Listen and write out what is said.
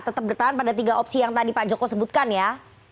tetap bertahan pada tiga opsi yang tadi pak joko sebutkan ya